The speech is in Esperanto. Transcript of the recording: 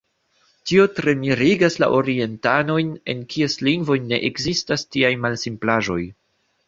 Tio tre mirigas la orientanojn, en kies lingvoj ne ekzistas tiaj malsimplaĵoj.